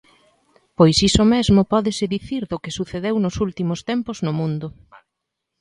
Pois iso mesmo pódese dicir do que sucedeu nos últimos tempos no mundo.